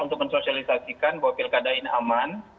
untuk mensosialisasikan bahwa pilkada ini aman